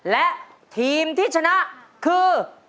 และทีมที่ชนะคือ